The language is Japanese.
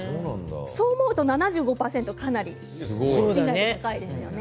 そう思うと７５％はかなり高いですよね。